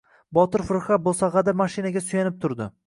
Botir firqa bo‘sag‘ada mashinaga suyanib turdi.